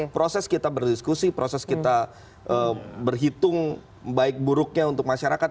proses kita berdiskusi proses kita berhitung baik buruknya untuk masyarakat